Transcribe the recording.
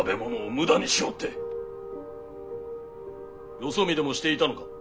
よそ見でもしていたのか！